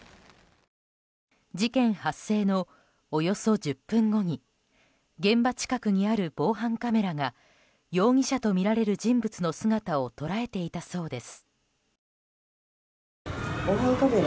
事件発生のおよそ１０分後に現場近くにある防犯カメラが容疑者とみられる人物の姿を捉えていたそうです。